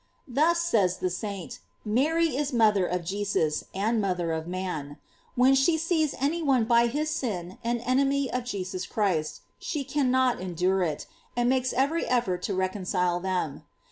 Thus, says the saint, Mary is mother of Jesus, and mother of man; when she sees any one by his sin an enemy of Jesus Christ, she can not endure it, and makes every effort to recon cile them.